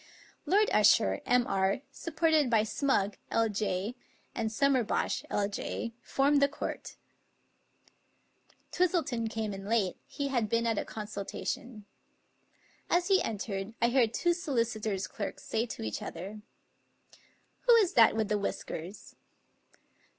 Lord Usher, M.R., supported by Smugg, LJ,, and Sum merbosh, L.J., formed the court. Twistleton came in late; he had been at a consultation. As he entered I heard two solicitors' clerks say to each other: " Who is that with the whiskers?